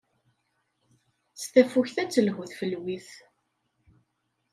S tafukt ad telhu tfelwit.